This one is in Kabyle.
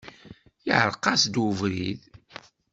Iεreq-as-d ubrid.